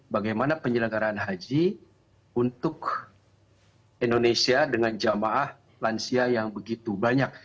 bagaimana penyelenggaraan haji untuk indonesia dengan jamaah lansia yang begitu banyak